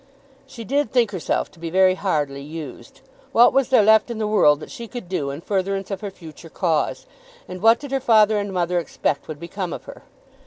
She did think herself to be very hardly used. What was there left in the world that she could do in furtherance of her future cause? And what did her father and mother expect would become of her?